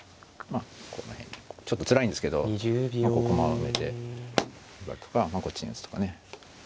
この辺にちょっとつらいんですけど駒を埋めてやるとかこっちに打つとかね。